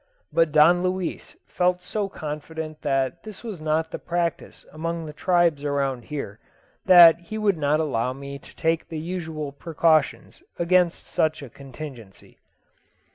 But Don Luis felt so confident that this was not the practice among the tribes about here, that he would not allow me to take the usual precautions against such a contingency.